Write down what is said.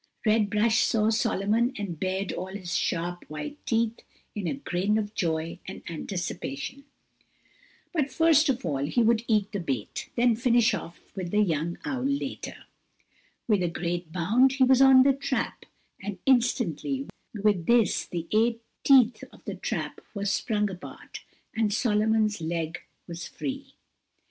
Red Brush saw Solomon and bared all his sharp, white teeth, in a grin of joy and anticipation. But first of all he would eat the bait, then finish off with the young owl later. With a great bound he was on the trap, and instantly, with this the eight teeth of the trap were sprung apart, and Solomon's leg was free.